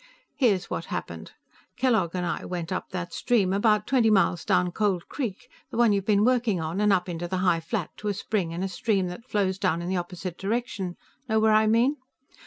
"Here's what happened. Kellogg and I went up that stream, about twenty miles down Cold Creek, the one you've been working on, and up onto the high flat to a spring and a stream that flows down in the opposite direction. Know where I mean?